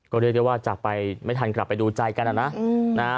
ก็เรียกได้ว่าจากไปไม่ทันกลับไปดูใจกันนะ